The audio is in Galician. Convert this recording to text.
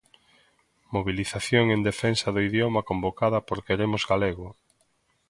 Mobilización en defensa do idioma convocada por Queremos Galego.